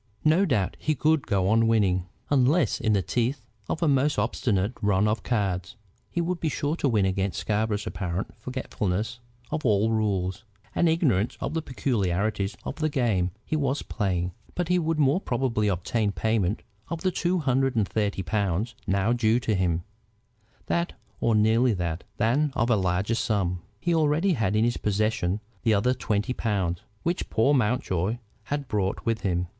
No doubt he could go on winning. Unless in the teeth of a most obstinate run of cards, he would be sure to win against Scarborough's apparent forgetfulness of all rules, and ignorance of the peculiarities of the game he was playing. But he would more probably obtain payment of the two hundred and thirty pounds now due to him, that or nearly that, than of a larger sum. He already had in his possession the other twenty pounds which poor Mountjoy had brought with him.